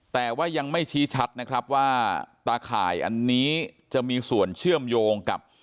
แต่ว่ายังไม่ชี้ชัดนะครับว่าตาข่ายอันนี้จะมีส่วนเชื่อมโยงกับ